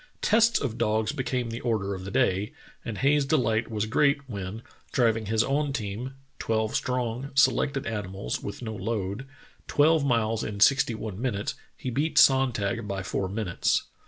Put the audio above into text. Tests of dogs became the order of the day, and Hayes's delight was great when, driving his own team — twelve strong, selected animals with no load — twelve miles in sixty one minutes, he beat Sonntag by four minutes.